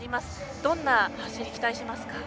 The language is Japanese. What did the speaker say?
どんな走りを期待しますか。